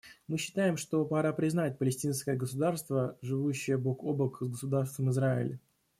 Мы считаем, что пора признать палестинское государство, живущее бок о бок с Государством Израиль.